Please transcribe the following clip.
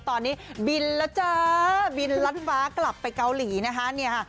ตอนนี้บินแล้วจ้าบินลัดฟ้ากลับไปเกาหลีนะคะเนี่ยค่ะ